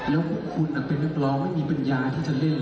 แล้วคุณเป็นนักร้องไม่มีปัญญาที่จะเลือก